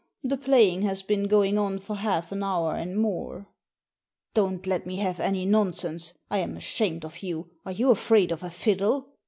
The playing has been going on for half an hour and more." Don't let me have any nonsense. I'm ashamed of you. Are you afraid of a fiddle